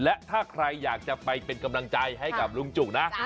และถ้าใครอยากจะไปเป็นกำลังใจให้กับลุงจุกนะ